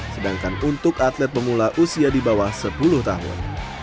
sedangkan untuk atlet pemula usia di bawah sepuluh tahun